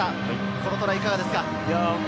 このトライ、いかがですか？